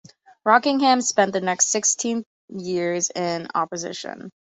Rockingham spent the next sixteen years in opposition.